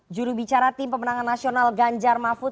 juru bicara tim pemenangan nasional ganjar mafud